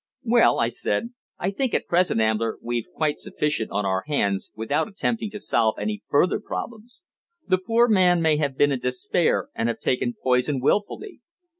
"Well," I said, "I think at present, Ambler, we've quite sufficient on our hands without attempting to solve any further problems. The poor man may have been in despair and have taken poison wilfully."